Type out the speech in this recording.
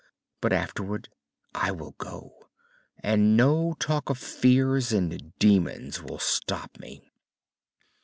But afterward, I will go, and no talk of fears and demons will stop me."